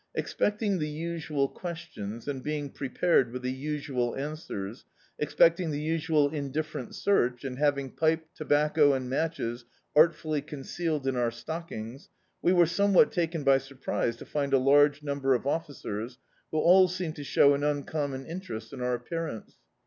Expecting the usual questions, and being prepared with the usual answers— expecting the usual indifferent search, and having pipe, tobacco and matches artfully concealed in our stockings — we were somewhat taken by surprise to find a large number of officers, who all seemed to show an uncommon interest in our appearance.